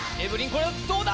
これはどうだ？